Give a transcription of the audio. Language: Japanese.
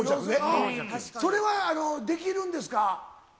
それはできるんですか？